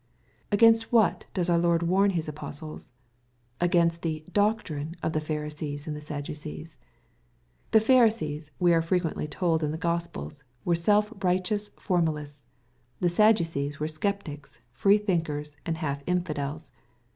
Against what does our Lord warn His apostles ? Against the ^^ doctrine" of the Pharisees and of the Sad ducees. The Pharisees, we are frequently told in the Gospels, were self righteous formalists. The Sadducees were sceptics, freethinkers, and half infidels.